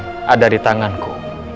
keselamatan kerajaan ada di tanganku